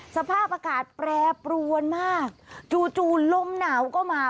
สภาพอากาศแปรปรวนมากจู่จู่ลมหนาวก็มา